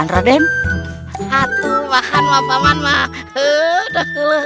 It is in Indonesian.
ngedengar masalah makanan mah